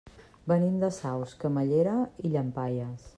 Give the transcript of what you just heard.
Venim de Saus, Camallera i Llampaies.